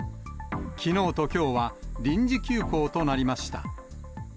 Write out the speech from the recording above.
きのうときょうは臨時休校となりました。